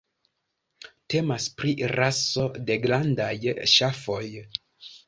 Temas pri raso de grandaj ŝafoj.